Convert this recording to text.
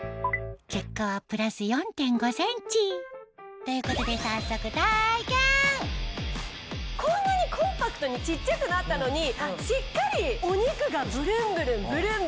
結果はということで早速こんなにコンパクトに小っちゃくなったのにしっかりお肉がブルンブルンブルンブルン！